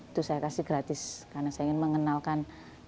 itu saya kasih gratis karena saya ingin mengenalkan